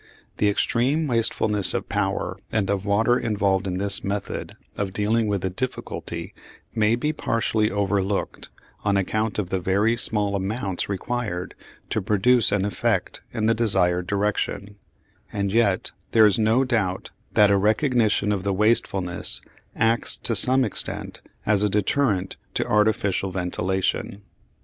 The extreme wastefulness of power and of water involved in this method of dealing with the difficulty may be partially overlooked on account of the very small amounts required to produce an effect in the desired direction; and yet there is no doubt that a recognition of the wastefulness acts to some extent as a deterrent to artificial ventilation.